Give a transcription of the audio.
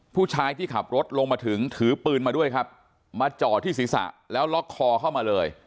ผู้ชายที่ขับรถลงมาถึงถือปืนมาด้วยครับมาจ่อที่ศีรษะแล้วล็อกคอเข้ามาเลย